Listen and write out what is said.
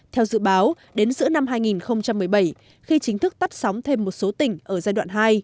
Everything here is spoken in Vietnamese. theo dự báo đến giữa năm hai nghìn một mươi bảy khi chính thức tắt sóng thêm một số tỉnh ở giai đoạn hai